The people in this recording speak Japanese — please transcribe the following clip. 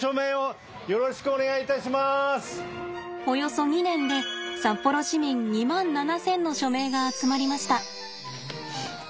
およそ２年で札幌市民２万７，０００の署名が集まりました。